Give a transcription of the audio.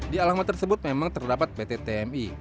di alamat tersebut memang terdapat pt tmi